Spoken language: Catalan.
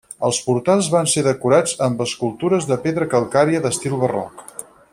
Els portals van ser decorats amb escultures de pedra calcària d'estil barroc.